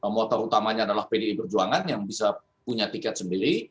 motor utamanya adalah pdi perjuangan yang bisa punya tiket sendiri